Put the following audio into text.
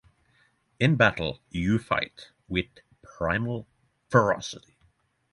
In battle, you fight with primal ferocity.